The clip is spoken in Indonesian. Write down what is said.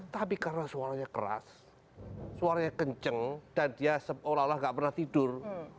tapi karena suaranya keras suaranya kenceng dan dia seolah olah nggak pernah tidur